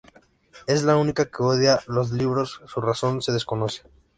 Es la única que odia los libros, su razón se desconoce.